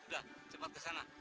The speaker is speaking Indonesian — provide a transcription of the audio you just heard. udah cepet kesana